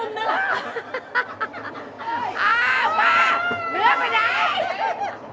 บ้านกันเยอะนะ